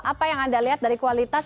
apa yang anda lihat dari kualitas